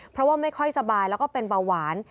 เพราะว่าไม่ค่อยสบายแล้วก็เป็นเบาหวาน